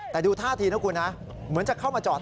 แต่ดูท่าทีนะคุณนะเหมือนจะเข้ามาจอด